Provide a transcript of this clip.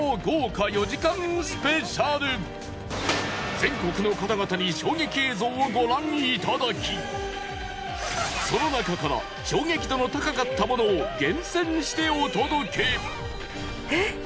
全国の方々に衝撃映像をご覧いただきその中から衝撃度が高かったものを厳選してお届け。